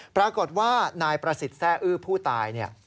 พรากฏว่านายประสิทธิ์แทร่อื่อผู้ตาย